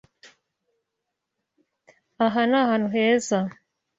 Aha ni ahantu heza.